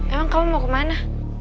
emang kamu mau kemana